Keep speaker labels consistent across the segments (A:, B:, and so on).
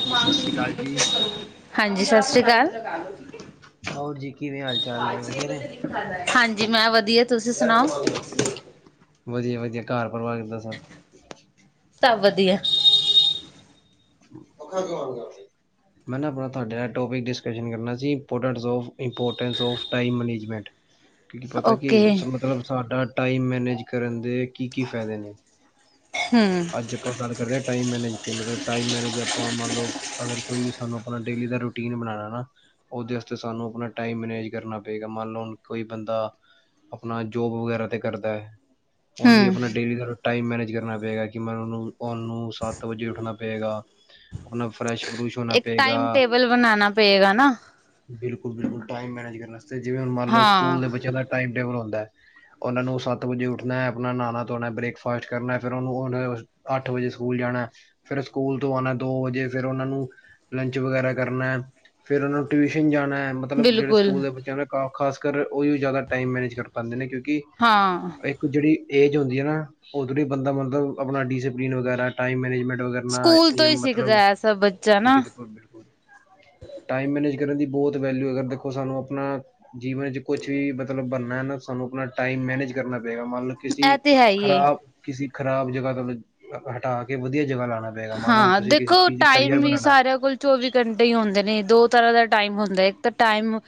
A: ਹਾਂਜੀ ਸਤਿ ਸ਼੍ਰੀ ਅਕਾਲ ਜੀ
B: ਹਾਂਜੀ ਸਤਿ ਸ਼੍ਰੀ ਅਕਾਲ
A: ਹੋਰ ਜੀ ਕਿਵੇਂ ਹਾਲ ਚਾਲ ਨੇ ਵਧੀਆ ਨੇ
B: ਹਾਂਜੀ ਮੈਂ ਵਧੀਆ ਤੁਸੀਂ ਸੁਣਾਓ
A: ਵਧੀਆ ਵਧੀਆ ਘਰ ਪਰਵਾਾਰ ਕਿਦਾਂ ਸਭ
B: ਸਭ ਵਧੀਆ
A: ਪਖਾ ਕਿਗਾ ਮੈਂ ਨਾ ਆਪਣਾ ਤੁਹਾਡੇ ਨਾਲ ਟੋਪਿਕ ਡਿਸਕਸ਼ਨ ਕਰਨਾ ਸੀ importance of importance of time management ਕਿਕ ਪਤਾ ਕਿ
B: ਓਕੇ
A: ਮਤਲਬ ਸਾਡਾ ਟਾਈਮ ਮੈਨੇਜ ਕਰਨ ਦੇ ਕੀ ਕੀ ਫਾਇਦੇ ਨੇ
B: ਹਮ
A: ਅੱਜ ਆਪਾਂ ਗੱਲ ਕਰ ਹਾਂ ਟਾਈਮ ਮੈਨੇਜਤੇਤਲਬ ਈ ਬ ਉਹਦੇ ਵਸਤੇ ਸਾਨੂੰ ਆਪਣਾ ਟਾਈਮ ਮੈਨੇਜ ਕਰਨਾ ਪਏਗਾ ਮੰਨ ਲਓ ਕੋਈ ਬੰਦਾ ਆਪਣਾ ਜੋਬ ਵਗੈਰਾ ' ਕਰਦਾ ਹੈ ਉਹਨੂੰ ਵੀ
B: ਹਮ
A: ਆਪਣਾ ਡੇਲੀ ਟਾਈਮ ਮੈਨੇਜ ਕਰਨਾ ਪਏਗਾ ਕਿ ਮੈਂ ਉਹਨੂੰ ਉਹਨੂੰ ਸੱਤ ਵਜੇ ਉੱਠਣਾ ਪਏਗਾ ਆਪਣਾ ਫਰੈਸ਼ ਫਰੂਸ਼ ਹੋਣਾ
B: ਇੱਕ
A: ਪਏਗਾ।
B: ਟਾਈਮ ਟੇਬਲ ਬਣਾਨਣਾ ਪਏਗਾ ਨਾ
A: ਬਿਲਕੁਲ ਬਿਲੁਕੁਲ ਟਾਈਮ ਮੈਨੇਜ ਕਰਨ ਵਾਸਤੇ ਜਿਵੇਂ ਮੰਨ ਲਓ
B: ਹਾਂ
A: ਸਕੂਲ ਦੇ ਬੱਚਿਆਂ ਦਾ ਟਾਈਮ ਟੇਬਲ ਹੁੰਦਾ ਹੈ। ਉਹਨਾਂ ਨੂੰ ਸੱਤ ਵਜੇ ਉੱਠਣਾ ਆਪਣਾ ਨਹਾਣਾ, ਧੋਣਾ, ਬ੍ਰੇਕਫਾਸਟ ਕਰਨਾ ਫਿਰ ਉਹਨੂੰ ਅੱਠ ਵਜੇ ਸਕੂਲ ਜਾਣਾ ਫਿਰ ਸਕੂਲ ਤੋਂ ਆਉਣਾ ਦੋ ਵਜੇ ਫਿਰ ਉਹਨਾ ਨੂੰ ਲੰਚ ਵਗੈਰਾ ਕਰਨਾ ਫੇਿਰ ਉਹਨੂੰ ਟਿਊਸ਼ਨ ਜਾਣਾ ਮਤਲਬ ਜਿਹੜੇ
B: ਬਿਲਕੁਲ
A: ਸਕੂਲ ਦੇ ਬੱਚਿਆਂ ਨੇ ਖਾ ਖ਼ਾਸ ਕਰ ਉਹ ਹੀ ਜ਼ਿਆਦਾ ਟਾਈਮੈਨੇਜ ਕਰ ਪਾਉਦੇ ਨੇ ਕਿਉਂਕਿ
B: ਹਾਂ
A: ਇੱਕ ਜਿਹੜੀ ਏਜ ਹੁੰਦੀ ਆ ਨਾ ਉਓਧ ਬੰਦਾ ਮਤਲਬ ਆਪਣਾ ਡਿਸਸੀਪਲਿਨ ਵਗੈਰਾ ਟਾਈਮ ਮੈਨੇਜਮੈਂਟ ਵਗੈਰਾ
B: ਸਕੂਲ ਤੋਂ
A: ਜਾਂ
B: ਹੀ ਸਿੱਖਦਾ
A: ਮਤਲਬ
B: ਐਸਾ ਬੱਚਾ ਨਾ
A: ਬਿਲਕੁਲ ਬਿਲਕੁਲ ਟਾਈਮ ਮੈਨੇਜ ਕਰਨ ਦੀ ਬਹੁਤ ਵੈਲਿਊ ਅਗਰ ਦੇਖੋ ਸਾਨੂੰ ਆਪਣਾ ਜੀਵਨ ਚ ਕੁਛ ਵੀ ਮਤਲਬ ਬਣਨਾ ਹੈ ਨਾ ਸਾਨੂੰ ਆਪਣਾ ਟਾਈਮ ਮੈਨੇਜ ਕਰਨਾ ਪਏਗਾ ਮੰਨ ਲਓ ਕਿਸੀ
B: ਇਹ ਤੇ ਹੈ ਹੀ ਏ
A: ਖਰਾਬ ਕਿਸੇ ਖ਼ਰਾਬ ਜਗ੍ਹਾ ਤੋਂ ਹਟਾ ਕੇ ਵਧੀਆ ਜਗ੍ਹਾ ਲਾਣਾ ਪਏਗਾ ਮੰਨ ਲਓ
B: ਹਾਂ
A: ਤੁਸੀਂ ਕਿਸੇ
B: ਦੇਖੋ
A: ਚੀਜ਼ ਕਰੀਅਰ
B: ਟਾਈਮ ਵੀ
A: ਬਣਾਣਾ
B: ਸਾਰਿਆਂ ਕੋਲ ਚੌਵੀ ਘੰਟੇ ਹੀ ਹੁੰਦੇ ਨੇ ਦੋ ਤਰ੍ਹਾਂ ਦਾ ਟਾਈਮ ਹੁੰਦਾ ਇੱਕ ਤਾਂ ਟਾਈਮ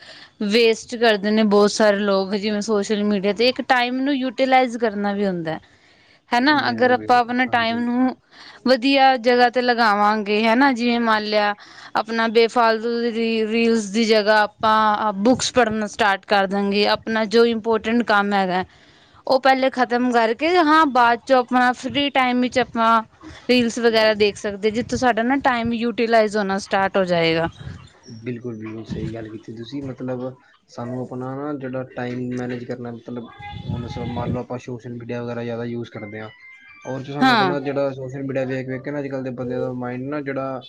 B: ਵੇਸਟ ਕਰਦੇ ਨੇ, ਬਹੁਤ ਸ ਸਰ ਲੋਕ ਜਿਵੇ ਸੋਸ਼ਲ ਮੀਡੀਆ ਤੇ ਇੱਕ ਟਮ ਨੂੰ ਯੂਲਾ ਕਰਨਾ ਵੀ ਹੁੰਦਾ ਹਨਾ ਅਗਰ
A: ਬਿਲਕੁਲ
B: ਆਪਾਂ
A: ਬਿਲਕੁਲ
B: ਆਪਣਾ
A: ਹਾਂਜੀ
B: ਟਾਈਮ
A: ਹਾਂਜੀ
B: ਨੂੰ ਵਧੀਆ ਜਗ੍ਹਾ ਤੇ ਲਗਾਵਾਂਗੇ ਹਨਾ ਜਿਵੇਂ ਮੰਨ ਲਿਆ ਆਪਣਾ ਬੇਫਾਲਤੂ ਰੀਲਸ ਦੀ ਜਗ੍ਹਾ ਆਪਾਂ ਬੁੱਕਸ ਪੜ੍ਹਨਾ ਸਟਾਰਟ ਕਰ ਦੇਾਂਗੇ ਆਪਣਾ ਜੋ ਇੰਪੋਰਟੈਂਟ ਕੰਮ ਹੈਗਾ ਉਹ ਪਹਿਲੇ ਖ਼ਤਮ ਕਰਕੇ ਹਾਂ ਬਾਅਦ ਚ ਆਪਣਾ ਫਰੀ ਟਾਈਮ ਵਿੱਚ ਆਪਾਂ ਰੀਲਸ ਵਗੈਰਾ ਦੇਖ ਸਕਦੇ ਜਿੱਥੋਂ ਸਾਡਾ ਨਾ ਟਮ ਯੂਟੀਲਾਜ਼ ਹੋਣਾ ਸਟਾਰਟ ਹੋ ਜਾਏਗਾ
A: ਬਿਲਕੁਲ, ਬਿਲਕੁਲ। ਸਹੀ ਗੱਲ ਕੀਤੀ। ਤੁਸੀ, ਮਤਲਬ ਸਾਨੂੰ ਆਪਣਾ ਨਾ ਜਿਹੜਾ ਟਾਈਮ ਮੈਨੇਜ ਕਰਨਾ, ਮਤਲਬ, ਹੁਣ ਮੰਨ ਲਓ, ਆਪਾਂ ਸੋਸ਼ਲ ਮੀਡੀਆ ਵਗੈਰਾ ਜ਼ਿਆਦਾ ਯੂਜ ਕਰ ਕਰਦੇ ਆ, ਤੁਹਾਨੂੰ
B: ਹਾਂ
A: ਪਤਾ ਜਿਹੜਾ ਸੋਸ਼ਲ ਮੀਡੀਆ ਵੇਖ- ਵੇਖ ਕੇ, ਨਾ ਅੱਜ-ਕੱਲ ਦੇ ਬੰਦੇ ਦਾ, ਮਾਂਈਡ ਨਾ ਜਿਹੜਾ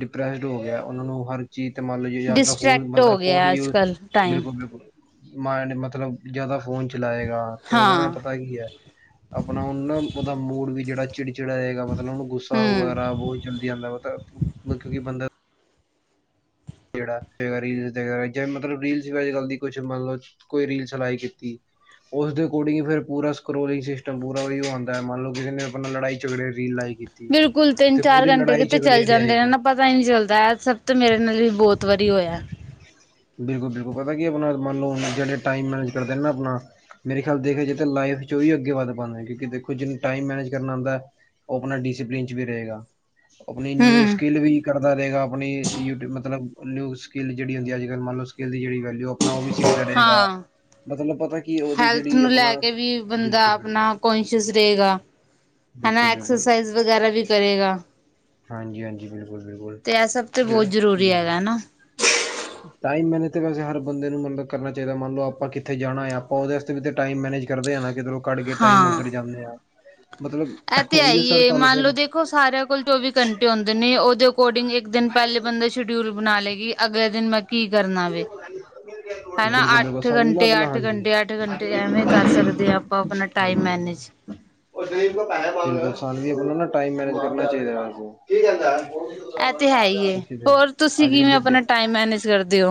A: ਡਿਪਰੈਸਡ ਹੋ ਗਿਆ, ਉਹਨਾਂ ਨੂੰ ਹਰ ਚੀਜ਼ ਤੇ, ਮੰਨ ਲੋ, ਯਾਂ, ਫੋਨ,
B: ਡਿਸਟਰ੍ਰੈਕਟ
A: ਬੰਦਾ
B: ਹੋ
A: ਫੋਨ
B: ਗਿਆ ਅੱਜ
A: ਯੁਜ,
B: ਕੱਲ ਟਾਈਮ
A: ਬਿਲਕੁਲ, ਬਿਲਕੁਲ। ਮਾਇਡ ਮਤਲਬ, ਜਿਆਦਾ ਫੋਨ ਚਲਾਏਗਾ ਤੇ, ਉਹਦਾ ਨਾ,
B: ਹਾਂ
A: ਪਤਾ ਕੀ ਹੈ। ਆਪਣਾ ਉਹਨਾ, ਉਹਦਾ ਮੂਡ ਵੀ ਜਿਹੜਾ ਚਿੜਚਿੜਾ ਰਏਗਾ, ਮਤਲਬ, ਉਹਨੂੰ ਗੁੱਸਾ
B: ਹਮ
A: ਵਗੈਰਾ ਬਹੁਤ ਜਲਦੀ ਆਂਦਾ ਵ, ਮਤਲਬ, ਕਿਉਂਕਿ ਬੰਦਾ ਜਿਹੜਾ ਹੇਗਾ ਰੀਲ ਤੇ ਵਗੈਰਾ, ਜੇ, ਮਤਲਬ ਰੀਲ ਅੱਜ-ਕੱਲ ਦੀ, ਕੁਛ ਮਤਲਬ ਕੋਈ ਰੀਲਸ ਲਾਇਕ ਕੀਤੀ ਉਸਦੇ ਅਕੋਰਡਿਂਗ ਈ, ਫਿਰ, ਪੂਰਾ ਸਕਰੋਲਿੰਗ ਸਿਸਟਮ ਪੂਰਾ ਓਹੀਓ ਆਉਂਦਾ। ਮੰਨ ਲੋ, ਕਿਸੇ ਨੇ ਆਪਣਾ ਲੜਾਈ-ਝਗੜੇ ਰੀਲ ਲਾਈਕ ਕੀਤੀ
B: ਬਿਲਕੁਲ ਤਿੰਨ
A: ਤੇ,
B: ਚਾਰ
A: ਪੂਰੀ
B: ਘੰਟੇ ਕਿਤੇ ਚੱਲ
A: ਲੜਾਈ-ਝਗੜੇ ਦੀ
B: ਜਾਂਦੇ ਨੇ
A: ਆਇਗੀ।
B: ਨਾ ਪਤਾ ਹੀ ਨਹੀਂ ਚੱਲਦਾ, ਸਭ ਤੋਂ ਮੇਰੇ ਨਾਲ ਵੀ, ਬਹੁਤ ਵਾਰੀ ਹੋਇਆ।
A: ਬਿਲਕੁਲ- ਬਿਲਕੁਲ। ਪਤਾ ਕੀ, ਆਪਣਾ ਮੰਨ ਲੋ, ਜਿਹੜੇ ਟਾਈਮ ਮੈਨੇਜ ਕਰਦੇਨ ਨਾ ਅਪਣਾ ਮੇਰੇ ਖਿਆਲ ਦੇਖਿਆ ਜਾਏ ਤਾਂ, ਲਾਈਫ'ਚ ਓਹੀ ਅੱਗੇ ਵੱਧ ਪਾਂਦਾ, ਕਿਓਂਕੀ ਦੇਖੋ, ਜਿਹਨੁੰ ਟਾਇਮ ਮੈਨੇਜ ਕਰਨਾ ਆਂਦੈ। ਉਹ, ਅਪਣਾ ਡਿਸੀਪਲਿਨ'ਚ ਵੀ ਰਹੇਗਾ। ਆਪਣੀ ਨਿਊ
B: ਹੂੰ।
A: ਸਕਿੱਲ ਵੀ ਕਰਦਾ ਰਹੇਗਾ, ਆਪਣੀ ਮਤਲਬ। ਨਿਊ ਸਕਿੱਲ, ਜਿਹੜੀ ਹੁੰਦੀ ਅੱਜ ਮੰਨ ਲੋ, ਸਕਿੱਲ ਦੀ ਜਿਹੜੀ ਵੈਲਿਊ ਆਪਣਾ ਉਹ ਵੀ ਸਿੱਖਦਾ ਰਹੇਗਾ।
B: ਹਾਂ
A: ਮਤਲਬ, ਪਤਾ ਕੀ ਏ, ਉਹਦੀ,
B: ਹੈਲਥ
A: ਜਿਹੜੀ
B: ਨੂੰ
A: ਅਪਨਾ
B: ਲੈ ਕੇ ਵੀ ਬੰਦਾ ਆਪਣਾ ਕੋਂਸ਼ੀਅਸ ਰਹੇਗਾ। ਹਨਾ
A: ਬਿਲਕੁੱਲ, ਬਿਲਕੁੱਲ।
B: ਐਕਸਰਸਾਈਜ਼ ਵਗੈਰਾ ਵੀ ਕਰੇਗਾ।
A: ਹਾਂਜੀ-ਹਾਂਜੀ, ਬਿਲਕੁੱਲ- ਬਿਲਕੁੱਲ।
B: ਤੇ, ਇਹ ਸਭ ਤੇ, ਬਹੁਤ ਜ਼ਰੂਰੀ ਹੈਗਾ ਹਨਾ।
A: ਟਾਇਮ ਮੈਨੇਜ ਤੇ, ਵੈਸੇ ਹਰ ਬੰਦੇ ਨੂੰ ਮਤਲਬ ਕਰਨਾ ਚਾਹੀਦਾ। ਮੰਨਲੋ, ਆਪਾ ਕਿੱਥੇ ਜਾਣਾਯਾ, ਆਪਾ ਓਹਦੇ ਆਸ ਵੀ ਟਾਈਮ ਮੈਨੇਜ ਕਰਦੇ ਆ ਨਾ, ਕਿਧਰੋਂ ਕੱਢ ਕੇ, ਟਾਈਮ
B: ਹਾਂ।
A: ਉੱਧਰ ਜਾਂਦੇ ਆ। ਮਤਲਬ,
B: ਇਹ ਤੇ ਹੈ
A: ਇਹੀਓ
B: ਹੀ
A: ਸਰ
B: ਏ
A: ਤੁਹਾਨੂੰ
B: ਮੰਨ ਲਓ
A: ਫਿਰ
B: ਦੇਖੋ ਸਾਰਿਆਂ ਕੋਲ ਚੌਵੀ ਘੰਟੇ ਹੋਂਦੇ ਨੇ, ਉਹਦੇ ਅਕੋਰਡਿੰਗ ਇੱਕ ਦਿਨ ਪਹਿਲੇ, ਬੰਦਾ ਸ਼ਿਡਿਊਲ ਬਣਾ ਲੇਗੀ। ਅਗਲੇ ਦਿਨ ''ਮੈਂ ਕੀ, ਕਰਨਾ ਵੇ?
A: [unintelligible] ਬਿਲਕੁਲ-
B: ਹਨਾ
A: ਬਿਲਕੁਲ!
B: ਅੱਠ
A: ਸਮਝ ਨਾ,
B: ਘੰਟੇ
A: ਆਪ
B: ਅੱਠ
A: ਹਾਂਜੀ-
B: ਘੰਟੇ ਅੱਠ
A: ਹਾਂਜੀ!
B: ਘੰਟੇ
A: [unintelligible]
B: ਐਵੇਂ ਕਰ ਸਕਦੇ ਹਾਂ ਆਪਾਂ ਆਪਣਾ ਟਾਈਮ ਮੈਨੇਜ।
A: ਸਾੰਨੁ ਵੀ ਅਪਣਾ ਨਾਂ, ਟਾਈਮ ਮੈਨੇਜ ਕਰਨਾ ਚਾਹੀਦਾ
B: ਐ, ਤੇ, ਹੈ, ਹੀਏ। ਹੋਰ, ਤੁਸੀਂ ਕਿਵੇਂ ਅਪਣਾ ਟਾਈਮ ਮੈਨੇਜ ਕਰਦੇ ਹੋ?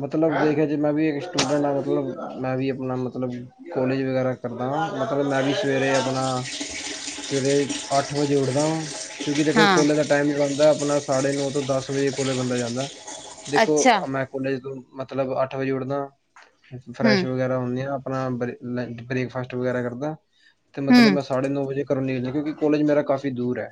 A: ਮਤਲਬ ਦੇਖਿਆ ਜੇ, ਮੈਂ, ਵੀ ਇੱਕ ਸਟੂਡੰਟ ਹਾਂ, ਮਤਲਬ, ਮੈਂ, ਵੀ ਅਪਣਾ ਮਤਲਬ ਕੋਲੇਜ ਵਗੈਰਾ ਕਰਦਾ ਵਾਂ, ਮਤਲਬ ਮੈਂ ਵੀ ਸਵੇਰੇ ਅਪਣਾ, ਸਵੇਰੇ ਆਠ ਵਜੇ ਉਠਦਾਂ ਵਾ। ਕਿੳਕੀ, ਦੇਖੋ
B: ਹਾਂ
A: ਕੌਲੇਜ ਦਾ ਟਾਈਮ ਜਿਹੜਾ ਹੁੰਦਾ ਆਪਣਾ ਸਾਢੇ- ਨੌ ਤੋਂ, ਦੱਸ-ਵਜੇ, ਕੋਲੇ ਬੰਦਾ ਜਾਂਦਾ।
B: ਅੱਛਾ
A: ਕੋਲੇਜ ਤੋਂ, ਮਤਲਬ ਅੱਠ ਵਜੇ ਉੱਠਦਾ, ਫਰੈਸ਼
B: ਹੂੰ
A: ਵਗੈਰਾ ਹੁੰਨੇਆਂ ਆਪਣਾ ਬਰ ਲੰਚ, ਬ੍ਰੇਕਫਾਸਟ ਵਗੈਰਾ ਕਰਦਾ, ਤੇ ਮਤਲਬ
B: ਹੂੰ
A: ਮੈਂ ਸਾਢੇ- ਨੌ ਵਜੇ ਨਿਕਲਦਾ ਕਿਉਂਕਿ ਕੋਲੇਜ ਮੇਰਾ ਕਾਫੀ ਦੂਰ ਹੈ,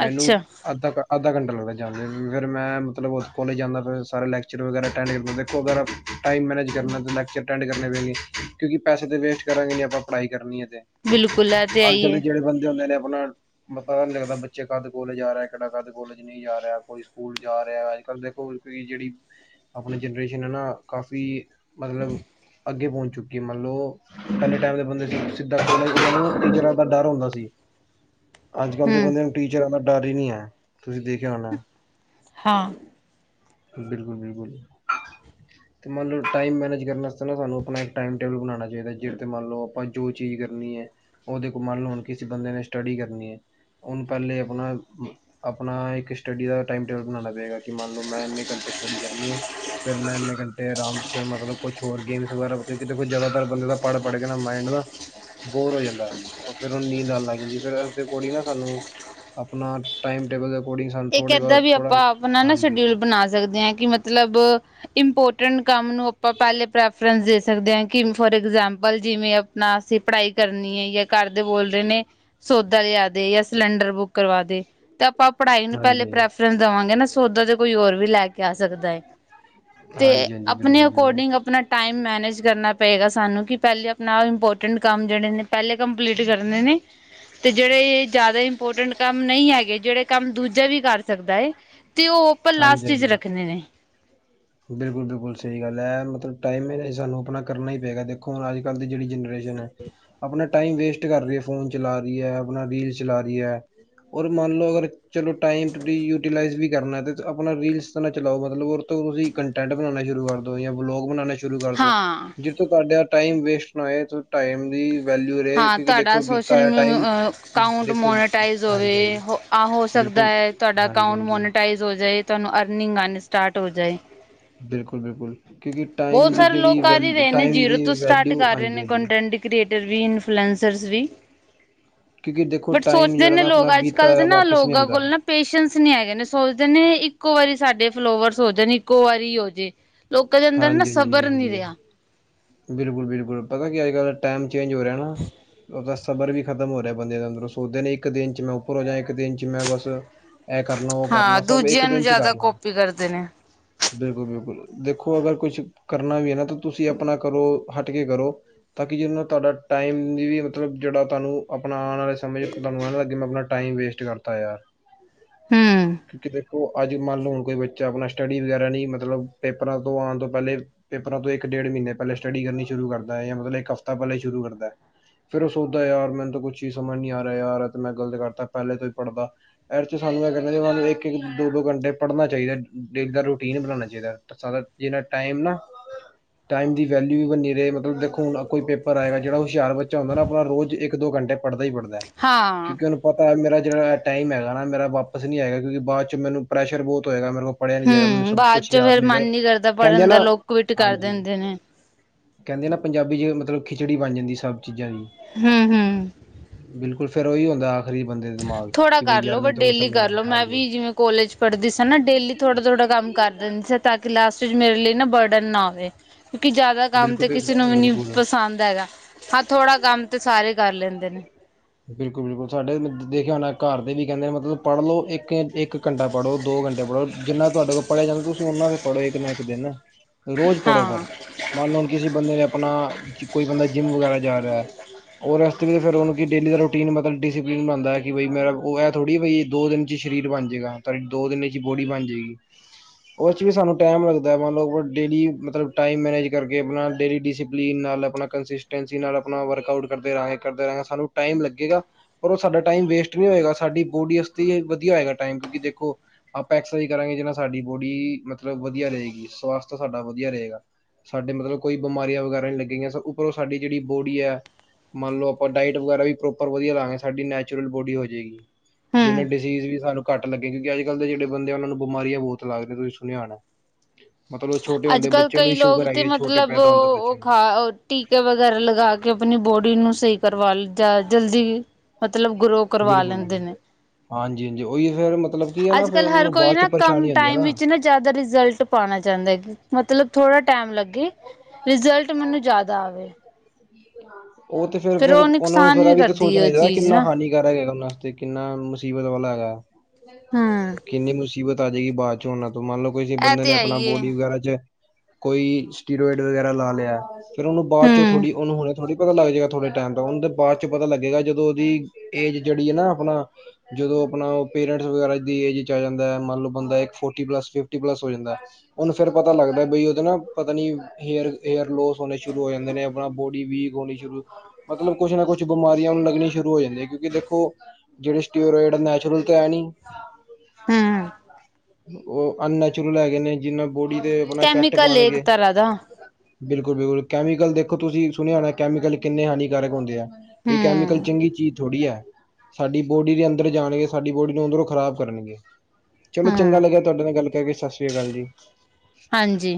A: ਮੈਨੂੰ
B: ਅੱਛਾ
A: ਅੱਧਾ-ਅੱਧਾ ਘੰਟਾ ਲੱਗਦਾ ਜਾਣ ਤੇ, ਫਿਰ, ਮਤਲਬ ਕੋਲੇਜ ਜਾਂਦਾ ਫਿਰ, ਸਾਰਾ ਲੈਕਚਰ ਵਗੈਰਾ ਅਟੈਂਡ ਕਰਨਾ ਦੇਖੋ, ਅਗਰ ਟਾਈਮ ਮੈਨੇਜ ਕਰਨਾ ਤਾਂ, ਲੈਕਚਰ ਅਟੈਂਡ ਕਰਨੇ ਪੈਣਗੇ, ਕਿਉਂਕਿ ਪੈਸੇ ਤਾਂ ਵੇਸਟ ਕਰਾਂਗੇ ਨਹੀਂ, ਆਪਾਂ ਪੜ੍ਹਾਈ ਕਰਨੀ ਏ, ਤੇ
B: ਬਿਲਕੁਲ ਇਹ ਤੇ ਹੈ ਹੀ
A: ਅੱਜ-ਕੱਲ ਦੇ,
B: ਏ
A: ਜਿਹੜੇ ਬੰਦੇ ਹੁੰਦੇ ਨੇ ਆਪਣਾ ਪਤਾ ਨਹੀਂ ਲੱਗਦਾ ਬੱਚੇ ਕਦ ਕੋਲਜ ਜਾ ਰਿਹਾ ਹਾ, ਕਿਹੜਾ ਕਦ ਕੋਲੇਜ ਨਹੀਂ ਜਾ ਰਿਹਾ, ਕੋਈ ਸਕੂਲ ਜਾ ਰਿਹਾ ਅੱਜ-ਕੱਲ ਦੇਖੋ [inaudible] ਰੇਂਜ ਅੜੀ ਆਪਣੀ ਜਨਰੇਸ਼ਨ ਹੈ ਨਾ, ਕਾਫ਼ੀ ਮਤਲਬ ਅੱਗੇ ਪਹੁੰਚ ਚੁੱਕੀ ਮੰਨਲੋ, ਪਹਿਲੇ ਟਾਈਮ ਦੇ ਬੰਦੇ ਦੀ ਸਿੱਧਾ [unintelligible] ਟੀਚਰਾਂ ਦਾ ਡਰ ਹੁੰਦਾ ਸੀ। ਅੱਜ- ਕੱਲ ਦੇ
B: ਹੂੰ
A: ਬੰਦਿਆਂ ਨੂੰ, ਟੀਚਰਾਂ ਦਾ ਡਰ ਹੀ ਨਹੀਂ ਹੈ! ਤੁਸੀ, ਦੇਖਿਆ ਹੋਣਾ।
B: ਹਾਂ।
A: ਬਿਲਕੁੱਲ- ਬਿਲਕੁੱਲ। ਤੇ ਮੰਨ ਲਓ, ਟਾਈਮ ਮੈਨੇਜ ਕਰਨ ਵਾਸਤੇ ਨਾ ਸਾਨੂੰ ਆਪਣਾ ਇੱਕ ਟਾਈਮ ਟੇਬਲ ਬਣਾਉਣਾ ਚਾਹੀਦਾ, ਜਿਹ ਤੇ, ਮੰਨ ਲਓ ਆਪਾਂ ਜੋ ਚੀਜ਼ ਕਰਨੀ ਹੈ ਉਹਦੇ ਕੋ ਮੰਨ ਲੋ ਹੁਣ ਕਿਸੇ ਬੰਦੇ ਨੇ ਸਟੱਡੀ ਕਰਨੀ ਹੈ। ਉਹਨੂੰ ਪਹਿਲੇ ਆਪਣਾ ਆਪਣਾ ਇੱਕ ਸਟੱਡੀ ਦਾ ਟਾਈਮ ਟੇਬਲ ਬਣਾਣਾ ਪਏਗਾ ਕਿ ਮੰਨ ਲਓ ਮੈਂ ਘੰਟੇ ਸਟੱਡੀ ਕਰਨੀਏ। ਫੇਰ ਮੈਂ ਇੰਨੇ ਘੰਟੇ ਆਰਾਮ ਫੇਰ ਮਤਲਬ ਕੁਛ ਹੋਰ ਗੇਮਸ ਵਗੈਰਾ ਜਿਆਦਾਤਰ ਬੰਦੇ ਦਾ ਪੜ ਪੜ ਕੇ ਨਾ ਮਾਈਂਡ ਬੋਰ ਹੋ ਜਾਂਦਾ ਫੇਰ ਉਹਨੂੰ ਨੀਂਦ ਲੱਗ ਜਾਂਦੀ ਫੇਰ ਉਸਦੇ ਅਕੋੜਿੰਗ ਨਾ ਸਾਨੂੰ ਆਪਣਾ ਟਾਈਮ ਟੇਬਲ ਅਕੋਰਡਿੰਗ ਸਾਨੂੰ
B: ਇੱਕ
A: ਥੋੜੇ
B: ਇਦਾਂ
A: ਬਹੁਤ
B: ਵੀ
A: ਥੋੜਾ
B: ਆਪਾਂ ਆਪਣਾ ਨਾ
A: ਹਾਂਜੀ
B: ਸ਼ਡਿਊਲ
A: ਹਾਂਜੀ
B: ਬਣਾ ਸਕਦੇ ਹਾਂ ਕਿ ਮਤਲਬ ਇੰਪੋਰਟੈਂਟ ਕੰਮ ਨੂੰ ਆਪਾਂ ਪਹਿਲੇ ਪ੍ਰੈਫਰੈਂਸ ਦੇ ਸਕਦੇ ਹਾਂ। ਕਿਵੇ ਫੋਰ ਐਗਜਾਮਪਲ ਜਿਵੇਂ ਆਪਣਾ ਅਸੀਂ ਪੜ੍ਹਾਈ ਕਰਨੀ ਹੈ ਜਾਂ ਘਰਦੇ ਬੋਲ ਦੇ ਨੇ ਸੌਦਾ ਲਿਆ ਦੇ ਜਾਂ ਸਿਲੰਡਰ ਬੁੱਕ ਕਰਵਾ ਦੇ ਤੇ ਆਪਾਂ ਪੜ੍ਹਾਈ ਨੂੰ ਪਹਿਲੇ
A: ਹਾਂਜੀ
B: ਪ੍ਰੈਫਰੈਂਸ ਦੇਵਾਂਗੇ ਨਾ ਸੌਦਾ ਤੇ ਕੋਈ ਹੋਰ ਵੀ ਲੈ ਕੇ ਆ ਸਕਦਾ ਹੈ ਤੇ
A: ਹਾਂਜੀ ਹਾਂਜੀ
B: ਆਪਣੇ
A: ਬਿਲਕੁਲ ਬਿਲਕੁਲ
B: ਅਕੋਰਡਿੰਗ ਆਪਣਾ ਟਾਈਮ ਮੈਨੇਜ ਕਰਨਾ ਪਏਗਾ, ਸਾਨੂੰ ਕਿ ਪਹਿਲੇ ਆਪਣਾ ਇੰਪੋਟ ਕੰਮ ਜਿਹੜੇ ਨੇ ਪਹਿਲੇ ਕੰਪਲੀਟ ਕਰਨੇ ਨੇ, ਤੇ ਜਿਹੜੇ ਇਹ ਜ਼ਿਆਦਾ ਇੰਪੋਰਟੈਂਟ ਕੰਮ ਨਹੀਂ ਹੈਗੇ ਜਿਹੜੇ, ਕੰਮ ਦੂਜਾ ਵੀ ਕਰ ਸਕਦਾ ਹੈ, ਤੇ ਉਹ ਆਪਾਂ ਲਾਸਟ ਵਿੱਚ ਰੱਖਨੇ ਨੇ,
A: ਬਿਲਕੁਲ-ਬਿਲਕੁਲ ਸਹੀ ਗੱਲ ਹੈ, ਮਤਲਬ ਟਾਈਮ ਸਾਨੂੰ ਆਪਣਾ ਕਰਨਾ ਹੀ ਪਏਗਾ ਦੇਖੋ ਹੁਣ ਅੱਜ-ਕੱਲ੍ਹ ਦੀ ਜਿਹੜੀ ਜਨਰੇਸ਼ਨ ਆਪ ਟਾਈਮ ਵੇਸਟ ਕਰ ਰਹੀ ਹੈ ਫੋਨ ਚਲਾ ਰਹੀ ਹੈ, ਆਪਣਾ ਰੀਲ ਚਲਾ ਰਹੀ ਹੈ ਔਰ ਮੰਨ ਲਓ ਅਗਰ। ਚਲੋ ਟਾਈਮ ਯੂਟੀਲਾਈਜ਼ ਵੀ ਕਰਨਾ, ਆਪਣਾ ਰੀਲਸ ਨਾ ਚਲਾਓ ਮਤਲਬ ਓਦੇ ਤੋ ਤੁਸੀਂ ਕੰਟੈਂਟ ਬਣਾਣਾ ਸ਼ੁਰੂ ਕਰ ਦੋ, ਜਾਂ ਵਲੋਗ ਬਣਾਣਾ ਸ਼ੁਰੂ ਕਰ ਦੋ
B: ਹਾਂ
A: ਜ-' ਤੁਹਾਡਾ ਟਾਈਮ ਵੇਸਟ ਨਾ ਹੋਏ ਟਾਈਮ ਦੀ, ਵੈਲਿਊ ਰਹੇ
B: ਹਾਂ
A: ਕਿਉਂਕਿ
B: ਤੁਹਾਡਾ
A: ਦੇਖੋ ਬੀਤਾ
B: ਸੋਸ਼ਲ
A: ਹੋਇਆ ਟਾਈਮ
B: ਅਕਾਊਂਟ
A: ਦੇਖੋ
B: ਮੋਨੋਟਾਈਸ
A: ਹਾਂਜੀ ਹਾਂਜੀ
B: ਹੋਵੇ। ਆਹ ਹੋ ਸਕਦਾ
A: ਬਿਲਕੁਲ
B: ਹੈ, ਤੁਹਾਡਾ
A: ਹਾਂਜੀ
B: ਅਕਾਊਂਟ
A: ਹਾਂਜੀ
B: ਮੋਨਟਾਈਜ਼ ਹੋ ਜਾਏ, ਤੁਹਾਨੂੰ ਅਰਨਿੰਗ ਆਣੀ ਸਟਾਰਟ ਹੋ ਜਾਏ।
A: ਬਿਲਕੁਲ-ਬਿਲਕੁਲ, ਕਿਉਂਕਿ ਟਾਈਮ
B: ਬਹੁਤ
A: ਦੀ
B: ਸਾਰੇ
A: ਜਿਹੜੀ
B: ਲੋਕ
A: ਵੈ
B: ਕਰ ਹੀ ਰਹੇ ਨੇ
A: ਟਾਈਮ
B: ਜੀਰੋ
A: ਦੀ
B: ਤੋਂ ਸਟਾਰਟ
A: ਵੈਲਿਊ
B: ਕਰ ਰਹੇ ਨੇ
A: ਹਾਂਜੀ-ਹਾਂਜੀ।
B: ਕੰਟੈਂਟ ਕ੍ਰੀਏਟਰ ਵੀ ਇਨਫਲੂਐਂਸਰਸ ਵੀ
A: ਕਿਉਂਕਿ ਦੇਖੋ
B: ਬਟ
A: ਟਾਈਮ
B: ਸੋਚਦੇ
A: ਜਿਹੜਾ
B: ਨੇ
A: ਨਾ
B: ਲੋਕ
A: ਆਪਣਾ
B: ਅੱਜ
A: ਬੀਤਾ
B: ਕੱਲ੍ਹ ਦੇ
A: ਹੋਇਆ
B: ਨਾ
A: ਵਾਪਿਸ ਨਹੀਂ
B: ਲੋਕਾਂ
A: ਆਉਂਦਾ
B: ਕੋਲ ਨਾ ਪੇਸ਼ੈਂਸ ਨੀ ਹੈਗੇ ਨੇ ਸੋਚਦੇ ਨੇ ਇੱਕੋ ਵਾਰੀ ਸਾਡੇ ਫਾਲੋਵਰਸ ਹੋ ਜਾ ਇੱਕੋ ਵਾਰੀ ਹੋ ਜੇ ਲੋਕਾਂ ਦੇ ਅੰਦਰ ਨਾ
A: ਹਾਂਜੀ ਹਾਂਜੀ
B: ਸਬਰ ਨਹੀਂ
A: ਹਾਂਜੀ
B: ਰਿਹਾ।
A: ਬਿਲਕੁਲ ਬਿਲਕੁਲ ਪਤਾ ਕੀ ਅੱਜ ਕੱਲ ਟਾਈਮ ਚੇਂਜ ਹੋ ਰਿਹਾ ਨਾ ਉਹ ਸਬਰ ਵੀ ਖਤਮ ਹੋ ਰਿਹਾ ਬੰਦੇ ਦੇ ਅੰਦਰੋਂ ਸੋਚਦੇ ਨੇ ਇੱਕ ਦਿਨ' ਚ ਮੈਂ ਉੱਪਰ ਪਰੋ ਜਾ ਇੱਕ ਦਿਨ ਚ ਮੈਂ ਬਸ ਇਹ ਕਰਨਾ, ਉਹ ਕਰਲਾ
B: ਹਾਂ
A: ਸਭ ਇੱਕ
B: ਦੂਜਿਆਂ ਨੂੰ
A: ਦਿਨ ਚ
B: ਜ਼ਿਆਦਾ
A: ਕਰਲਾ,
B: ਕਾਪੀ ਕਰਦੇ ਨੇ।
A: ਬਿਲਕੁਲ-ਬਿਲਕੁਲ ਦੇਖੋ, ਅਗਰ ਕੁਛ ਕਰਨਾ ਵੀ ਹੈ ਨਾ ਤਾਂ ਤੁਸੀਂ ਆਪਣਾ ਕਰੋ ਹਟ ਕੇ ਕਰੋ। ਤਾਂ ਕਿ ਜਿਹਦੇ ਨਾਲ ਤੁਹਾਡਾ ਟਾਈਮ ਦੀ ਵੀ ਮਤਲਬ, ਜਿਹੜਾ ਤੁਹਾਨੂੰ ਆਪਣਾ ਆਣ ਵਾਲੇ ਸਮੇਂ 'ਚ ਤੁਹਾਨੂੰ ਐ ਨਾ ਲੱਗਿਆ ਆਪਣਾ ਟਾਈਮ ਵੇਸਟ ਕਰਤਾ ਯਾਰ
B: ਹੂੰ
A: ਕਿਉਂਕ ਦੇ, ਅੱਜ ਮੰਨ ਲੋ ਹੁਣ ਕੋਈ ਬੱਚਾ, ਆਪਣਾ ਸਟੱਡੀ ਵਗੈਰਾ ਨਹੀਂ ਮਤਲਬ ਪੇਪਰਾਂ ਤੋਂ ਆਉਣ ਤੋਂ ਪਹਿਲੇ ਪੇਪਰਾਂ ਤੋਂ ਇੱਕ ਡੇਢ ਮਹੀਨੇ ਪਹਿਲੇ ਸਟੱਡੀ ਕਰਨੀ ਸ਼ੁਰੂ ਕਰਦੈ, ਮਤਲਬ ਹਫਤਾ ਪਹਿਲੇ ਸ਼ੁਰੂ ਕਰਦੈ ਫਿਰ ਉਹ ਸੋਚਦਾ ਯਾਰ ਮੈਨੂੰ ਤਾਂ ਕੁਛ ਚੀਜ਼ ਸਮਝ ਨੀ ਨਹੀਂ ਆ ਰਿਹਾ, ਯਾਰ ਤੇ ਮੈਂ ਗਲਤ ਕਰਤਾ ਪਹਿਲੇ ਤੋਂ ਹੀ ਪੜ੍ਹਦਾ। ਇਹਦੇ 'ਚ ਸਾਨੂੰ ਇਹ ਕਹਿਣਾ, ਇੱਕ-ਇੱਕ ਦੋ-ਦੋ ਘੰਟੇ ਪੜ੍ਹਨਾ ਚਾਹੀਦਾ ਡੇਲੀ ਦਾ ਰੂਟੀਨ ਬਣਾਣਾ ਚਾਹੀਦਾ। ਜਿਨਾ ਟੈਮ ਨਾ, ਵੈਲਿਊ ਵੀ ਬਨੀ ਰਹੇ, ਮਤਲ ਦੇਖੋ ਹੂੰ ਕੋਈ ਪੇਪਰ ਆਏਗਾ, ਜਿਹੜ ਹੁਸ਼ਿਆਰ ਬੱਚਾ ਹੁੰਦਾ ਨਾ ਆਪ ਰੋਜ਼ ਇੱਕ ਦੋ ਘੰਟੇ ਪੜ੍ਹਦਾ ਹੀ ਪੜਦੈ
B: ਹਾਂ
A: ਕੀ ਕੱਲ ਪਤਾ ਮੇਰਾ ਜਿਹੜਾ ਟਾਈਮ ਹੈਗਾ ਨਾਂ, ਮੇਰਾ ਵਾਪਸ ਨੀਂ ਆਏਗਾ ਕਿਉਂਕਿ ਬਾਅਦ ਚ ਮੈਨੂੰ ਪ੍ਰੈਸ਼ਰ ਬਹੁਤ ਹੋਏਗਾ ਮੇਰੇ ਕੋ ਪੜ੍ਹਿਆ ਨੀ ਜਾਏਗਾ, ਮੈਨੂੰ
B: ਹੂੰ
A: ਸਭ
B: ਬਾਅਦ
A: ਕੁਛ
B: ਚੋਂ
A: ਯਾਦ
B: ਫੇਰ
A: ਨਹੀਂ
B: ਮਨ
A: ਹੈਗਾ
B: ਨੀ ਕਰਦਾ
A: ਕਹਿੰਦੇ
B: ਪੜ੍ਹਨ ਦਾ
A: ਨਾ
B: ਲੋਕ ਕੁਵਿਟ ਕਰ
A: ਹਾਂਜੀ।
B: ਦਿੰਦੇ ਨੇ
A: ਕਹਿੰਦੇ ਨਾ ਪੰਜਾਬੀ ਚ ਮਤਲਬ ਖਿਚੜੀ ਬਣ ਜਾਂਦੀ ਸਭ ਚੀਜ਼ਾਂ ਦੀ,
B: ਹੂੰ-ਹੂੰ,
A: ਬਿਲਕੁਲ ਫੇਰ ਉਹੀ ਹੁੰਦਾ। ਆਖਰੀ ਬੰਦੇ ਦੇ ਦਿਮਾਗ ਚ
B: ਥੋੜਾ
A: ਕਿ ਬਈ ਯਾਰ
B: ਕਰਲੋ
A: ਮੈਨੂੰ
B: ਬਟ
A: ਤਾਂ ਕੁਛ
B: ਡੇਲੀ
A: ਸਮਝ ਨੀ ਆਇਆ।
B: ਕਰਲੋ ਮੈਂ ਵੀ
A: ਹਾਂਜੀ
B: ਜਿਵੇਂ, ਕੋਲੇਜ ਪੜ੍ਹਦੀ ਸੀ ਨਾ ਡੇਲੀ ਥੋੜਾ ਥੋੜਾ ਕੰਮ ਕਰ ਦਿੰਦੇ ਸੀ, ਤਾਂ ਕਿ ਲਾਸਟ ਵਿੱਚ ਮੇਰੇ ਲਈ ਨਾ ਬਰਡਨ ਨਾ ਆਵੇ। ਕਿਉਕਿ ਜਿਆਦਾ ਕੰਮ
A: ਬਿਲਕੁਲ
B: ਤੇ
A: ਬਿਲ-
B: ਕਿਸੇ ਨੂੰ ਵੀ ਨੀ
A: ਬਿਲਕੁਲ
B: ਪਸੰਦ ਹੈਗਾ। ਹਾਂ, ਥੋੜਾ ਕੰਮ ਤੇ ਸਾਰੇ ਕਰ ਲੈਂਦੇ ਨੇਂ,
A: ਬਿਲਕੁਲ-ਬਿਲਕੁਲ, ਸਾਡੇ ਦੇਖਿਆ ਨਾ ਘਰ ਦੇ ਵੀ ਕਹਿੰਦੇ ਮਤਲਬ ਪੜ੍ਹ ਲਓ ਇੱਕ ਇੱਕ ਘੰਟਾ ਪੜ੍ਹੋ, ਦੋ ਘੰਟੇ ਪੜ੍ਹੋ। ਜਿੰਨਾ ਤੁਹਾਡੇ ਕੋਲ ਪੜ੍ਹਿਆ ਜਾਂਦਾ ਤੁਸੀਂ ਉਹਨਾ ਦੇ ਪੜ੍ਹੋ ਇੱਕ ਨਾ ਇੱਕ ਦਿਨ ਰੋਜ਼ ਪੜ੍ਹੋ
B: ਹਾਂ
A: ਪਰ, ਮਨ ਲਓ ਕਿਸੇ ਬੰਦੇ ਨੇਂ ਆਪਣਾ ਕੋਈ ਬੰਦਾ ਜਿਮ ਵਗੈਰਾ ਜਾ ਰਿਹਾ। ਉਹ ਇਸ ਵਿੱਚ ਫਿਰ ਉਹਨੂੰ ਡੇਲੀ ਦਾ ਰੂਟੀਨ ਮਤਲਬ ਡਿਸਪਲਿਨ ਬਣਦਾ ਐ ਕਿ ਬਈ ਮੇਰਾ ਉਹ ਇਹ ਥੋੜੀ ਬਈ ਦੋ ਦਿਨ ਸਰੀਰ ਬਣ ਜਾਏਗਾ, ਤੁਹਾਡੀ ਦੋ ਦਿਨ ਚ ਬੋਡੀ ਬਣ ਜਏਗੀ। ਉਸ ਚ ਵੀ ਸਾਨੂੰ ਟਾਈਮ ਲੱਗਦਾ। ਮਤਲਬ ਲਓ ਡੇਲੀ ਮਤਲਬ ਟਾਈਮ ਮੈਨੇਜ ਕਰਕੇ, ਆਪਣਾ ਡੇਲੀ ਡਿਸਿਪਲੀਨ ਨਾਲ ਆਪਣਾ ਕੰਸਟੈਂਸੀ ਨਾਲ ਆਪਣਾ ਵਰਕ ਆਊਟ ਕਰਦੇ ਰਹਾਂਗੇ, ਕਰਦੇ ਰਹਾਗੇ। ਸਾਨੂੰ ਟਾਈਮ ਲੱਗੇਗਾ। ਪਰ ਉਹ ਸਾਡਾ ਟਾਈਮ ਵੇਸਟ ਨਹੀਂ ਹੋਏਗਾ, ਸਾਡੀ ਬੋਡੀ ਆਸਤੇ ਵਧੀਆ ਹੋਏਗਾਟਾਈਮ ਕਿਉਂਕਿ ਦੇਖੋ। ਆਪਾਂ ਐਕਸਰਸਾਈਜ਼ ਕਰਾਂਗੇ, ਜਿਹ ਨਾਲ ਸਾਡੀ ਬੋਡੀ ਮਤਲਬ ਵਧੀਆ ਰਹੇਗੀ, ਸਵਸਥ ਸਾਡਾ ਵਧੀਆ ਰਹੇਗਾ। ਸਾਡੇ ਮਤਲਬ ਕੋਈ ਬਿਮਾਰੀਆਂ ਵਗੈਰਾ ਨ੍ਹੀਂ ਲੱਗੀਆਂ, ਉੱਪਰੋਂ ਸਾਡੀ ਜਿਹੜੀ ਬੋਡੀ ਐ, ਮੰਨ ਲਓ ਆਪਾਂ ਡਾਇਟ ਵਗੈਰਾ ਵੀ ਪ੍ਰੋਪਰ ਵਧੀਆ ਲਾਗੇਂ, ਸਾਡੀ ਨੈਚੁਰਲ ਬੋਡੀ ਹੋ ਜਏਗੀ। ਜਿਨੇ
B: ਹਮ
A: ਡਿਸੀਜ਼ ਵੀ ਸਾਨੂੰ ਘੱਟ ਲੱਗੇੰਗੇ, ਕਿਉਂਕਿ ਅੱਜ- ਕੱਲ ਦੇ ਜਿਹੜੇੰ ਬੰਦੇ ਉਹਨਾਂ ਨੂੰ ਬਿਮਾਰੀਆਂ ਬਹੁਤ ਲੱਗਦੇ, ਤੁਸੀ ਸੁਣਿਆ ਹੋਣਾ। [unintelligible] ਛੋਟੇ ਹੁੰਦੇ
B: ਅੱਜ-ਕੱਲ
A: ਬੱਚੇ ਨੂੰ
B: ਕਈ
A: ਹੀ
B: ਲੋਕ
A: ਸ਼ੂਗਰ
B: ਤੇ
A: ਹੈਗੀ ਹੈ, ਛੋਟੇ
B: ਮਤਲਬ
A: ਪੈਦਾ ਹੁੰਦੇ
B: ਉਹ ਉਹ
A: ਬੱਚੇ ਨੂੰ
B: ਖਾ ਟੀਕੇ ਵਗੈਰਾ ਲਗਾ ਕੇ, ਆਪਣੀ ਬੋਡੀ ਨੂੰ ਸਹੀ ਕਰਵਾ ਲ ਜਾਂ ਜਲਦੀ, ਮਤਲਬ ਗਰੋ ਕਰਵਾ
A: ਬਿਲਕੁਲ
B: ਲੈਂਦੇ
A: ਬਿਲਕੁਲ
B: ਨੇਂ।
A: ਹਾਂਜੀ, ਹਾਂਜੀ ਉਹੀ ਫੇਰ ਮਤਲਬ ਕੀ ਐ ਨਾਂ
B: ਅੱਜ
A: ਫੇਰ
B: ਕੱਲ੍ਹ
A: ਉਹਨਾਂ
B: ਹਰ
A: ਨੂੰ
B: ਕੋਈ
A: ਬਾਅਦ ਚ
B: ਨਾ ਕਮ
A: ਪਰੇਸ਼ਾਨੀ ਆਉਂਦੀ ਐ
B: ਟਾਈਮ
A: ਨਾਂ।
B: ਵਿੱਚ ਨਾ ਜ਼ਿਆਦਾ ਰਿਜ਼ਲਟ ਪਾਉਣਾ ਚਾਹੁੰਦੇ, ਮਤਲਬ ਥੋੜਾ ਟਾਈਮ ਲੱਗ ਰਿਜ਼ਲਟ ਮੈਨੂੰ ਜ਼ਿਆਦਾ ਆਵੇ।
A: ਉਹ ਤੇ
B: ਫਿਰ
A: ਫੇਰ-ਫੇਰ
B: ਉਹ
A: ਉਹਨਾਂ ਨੂੰ
B: ਨੁਕਸਾਨ
A: ਫੇਰ
B: ਵੀ
A: ਐਵੀਂ ਤਾਂ
B: ਕਰਦੀ ਹੈ
A: ਸੋਚਣਾ
B: ਉਹ
A: ਚਾਹੀਦਾ
B: ਚੀਜ਼
A: ਕਿੰਨਾ
B: ਨਾ
A: ਹਾਨੀ ਕਰਾਂਗੇ ਉਹਨਾਂ ਵਾਸਤੇ, ਕਿੰਨਾ ਮੁਸੀਬਤ ਵਾਲਾ ਹੈਗਾ।
B: ਹਮ
A: [unintelligible] ਕਿੰਨੀ ਮੁਸੀਬਤ ਆ ਜਏਗੀ ਬਾਅਦ ਚ ਉਹਨਾਂ ਤੋਂ ਮੰਨ ਲਓ
B: ਇਹ
A: ਬੰਦੇ
B: ਤੇ
A: ਨੇਂ ਆਪਣਾ
B: ਆਈਏ
A: ਬੋਡੀ ਵਗੈਰਾ ਚ ਕੋਈ ਸਟੀਰੋਇਡ ਵਗੈਰਾ ਲਾ ਲਿਆ, ਫਿਰ ਉਹਨੂੰ ਬਾਅਦ ਚ
B: ਹਮ
A: ਥੋੜੀ ਉਹਨੂੰ ਹੁਣ ਥੋੜ੍ਹੀ ਪਤਾ ਲੱਗ ਜਾਏਗਾ, ਥੋੜੇ ਟਾਈਮ ਤਾਂ ਉਹਦੇ ਬਾਅਦ ਚ ਪਤਾ ਲੱਗੇਗਾ ਜਦੋਂ ਉਹਦੀ ਏਜ ਜਿਹੜੀ ਐਨਾਂ ਆਪਣਾ ਜਦੋਂ ਆਪਣਾ ਪੇਰੈਂਟਸ ਵਗਰਾ ਦੀ ਏਜ਼ ਚ ਆ ਜਾਂਦਾ। ਮਨ ਲੋ ਬੰਦਾ ਇੱਕ ਫੋਰਟੀ ਪਲਸ, ਪਿਫਟੀ ਪਲਸ ਹੋ ਜਾਂਦਾ। ਉਹਨੂੰ ਫੇਰ ਪਤਾ ਲੱਗਦਾ, ਬਈ ਉਹਦੇ ਨਾਂ ਪਤਾ ਨੀਂ। ਹੇਅਰ ਹੇਅਰ ਲੋਸ ਹੋਣੇ ਸ਼ੁਰੂ ਹੋ ਜਾਂਦੇ ਨੇ, ਆਪਣਾ ਬੋਡੀ ਵੀਕ ਹੋਣੀ ਸ਼ੁਰੂ ਮਤਲਬ ਕੁਛ ਨਾਂ ਕੁਛ ਬਿਮਾਰੀਆਂ ਲੱਗੀਆਂ ਸ਼ੁਰੂ ਹੋ ਜਾਂਦੀਆਂ ਕਿਉਂਕਿ ਦੇਖੋ ਜਿਹੜੇ ਸਟੀਓਰੋਇਡ ਨੈਚੁਰਲ ਤੇ ਹੈ ਨੀਂ
B: ਹਮ
A: ਉਹ ਅਨਨੈਚੁਰਲ ਹੈਗੇ ਨੇਂ, ਜਿੰਨਾਂ ਬੋਡੀ ਤੇ ਆਪਣਾ ਇਫੈਕਟ
B: ਕੈਮੀਕਲ ਇੱਕ
A: ਪਾਣਗੇ।
B: ਤਰ੍ਹਾਂ ਦਾ
A: ਬਿਲਕੁਲ-ਬਿਲਕੁਲ ਕੈਮੀਕਲ ਦੇਖੋ, ਤੁਸੀਂ ਸੁਣਿਆ ਹੋਣਾ ਕੈਮੀਕਲ ਕਿੰਨੇ ਹਾਨੀਕਾਰ ਹੁੰਦੇ ਆ। ਕੋਈ ਕੈਮੀਕਲ
B: ਹਮ
A: ਚੰਗੀ ਚੀਜ਼ ਥੋੜ੍ਹੀ ਆ। ਸਾਡੀ ਬੋਡੀ ਦੇ ਅੰਦਰ ਜਾਣਗੇ, ਸਾਡੀ ਬੋਡੀ ਨੂੰ ਅੰਦਰੋਂ ਖ਼ਰਾਬ ਕਰਣਗੇ। ਚਲੋ ਚੰਗਾ
B: ਹਮ
A: ਲੱਗਿਆ ਤੁਹਾਡੇ ਨਾਲ ਗੱਲ ਕਰਕੇ। ਸਤਿ ਸ੍ਰੀ ਅਕਾਲ ਜੀ।
B: ਹਾਂਜੀ